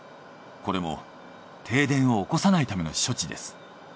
これも停電を起こさないための処置です。